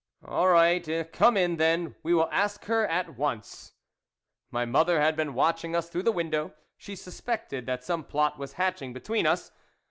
" All right, come in, then, we will ask her at once." My mother had been watching us through the window ; she suspected that some plot was hatching between us.